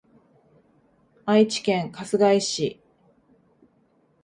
愛知県春日井市